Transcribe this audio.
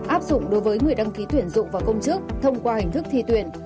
áp dụng đối với người đăng ký tuyển dụng và công chức thông qua hình thức thi tuyển